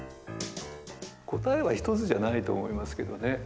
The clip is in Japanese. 答えは１つじゃないと思いますけどね。